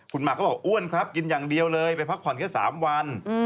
คุณหมากก็บอกอ้วนครับกินอย่างเดียวเลยไปพักผ่อนแค่๓วัน